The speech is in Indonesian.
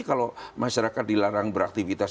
kalau masyarakat dilarang beraktifitas